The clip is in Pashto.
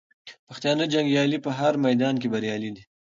پښتانه جنګیالي په هر میدان کې بریالي دي.